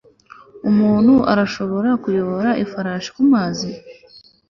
Umuntu arashobora kuyobora ifarashi kumazi